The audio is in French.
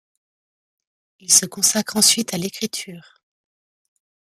Il se consacre ensuite à l’écriture.